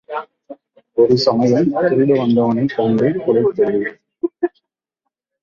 ஒரு சமயம் திருட வந்தவனைக் கண்டு குலைத்தது.